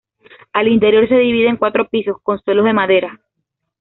Al interior se divide en cuatro pisos con suelos de madera.